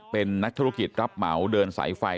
เป็นนักธุรกิจรับเหมาเดินสายไฟ